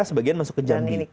sebagian masuk ke jandi